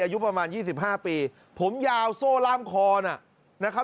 อายุประมาณ๒๕ปีผมยาวโซ่ล่ามคอนะครับ